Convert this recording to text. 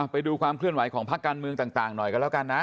ไปดูความเคลื่อนไหวของพักการเมืองต่างหน่อยกันแล้วกันนะ